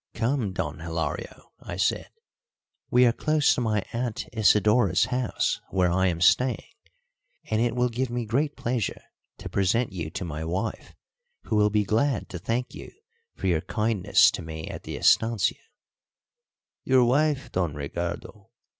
"Come, Don Hilario," I said, "we are close to my aunt Isidora's house, where I am staying, and it will give me great pleasure to present you to my wife, who will be glad to thank you for your kindness to me at the estancia." "Your wife, Don Ricardo!